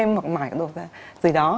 hoặc mải cái đồ gì đó